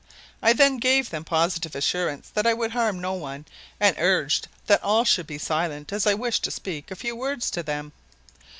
I then gave them positive assurance that I would harm no one and urged that all should be silent as I wished to speak a few words to them.